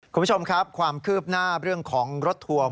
คุณผู้ชมครับความคืบหน้าเรื่องของรถทัวร์